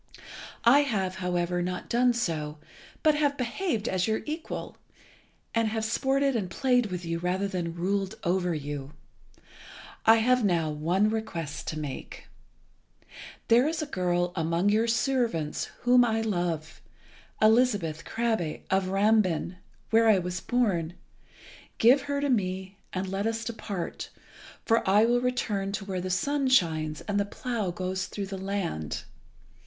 I have, however, not done so, but have behaved as your equal, and have sported and played with you rather than ruled over you. I have now one request to make. There is a girl among your servants whom I love, Elizabeth Krabbe, of Rambin, where I was born. Give her to me and let us depart, for I will return to where the sun shines and the plough goes through the land.